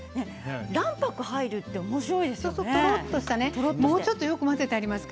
卵白が入るっておもしろいですね。